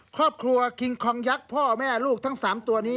ครอบครัวคิงคองยักษ์พ่อแม่ลูกทั้ง๓ตัวนี้